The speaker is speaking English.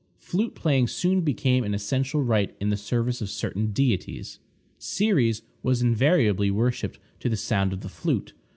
Flute playing soon became an essential rite in the service of certain deities. Ceres was invariably worshiped to the sound of the flute.